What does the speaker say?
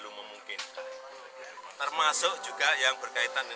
semua saya merasa